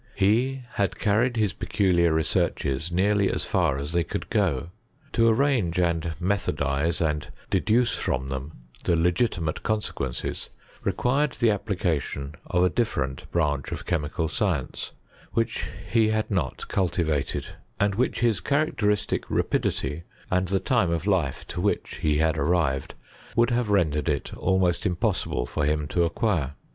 He had carried his peculiar researches nearly as far as they could go. To arrange and methodize, and deduce from them the legitimate consequences, required the ap plication of a different branch of chemical science, which he had not cultivated, and which his charac teristic rapidity, and the time of life to which he had arrived, would have rendered it almost impossible for him to acquire.